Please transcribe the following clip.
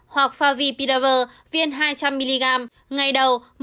hoặc favipiravir viên hai trăm linh mg ngày đầu một nghìn sáu trăm linh mg